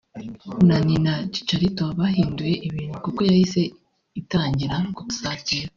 Nani na Chicharito bahinduye ibintu kuko yahise itangira gusatira